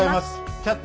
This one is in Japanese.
「キャッチ！